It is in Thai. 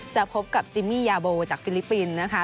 จะพบกับจิมมี่ยาโบจากฟิลิปปินส์นะคะ